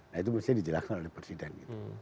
nah itu mestinya dijelaskan oleh presiden gitu